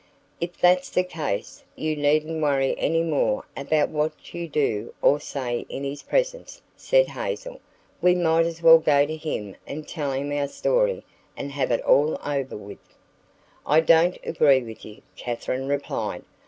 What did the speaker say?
"If that's the case, you needn't worry any more about what you do or say in his presence," said Hazel. "We might as well go to him and tell him our story and have it all over with." "I don't agree with you," Katherine replied.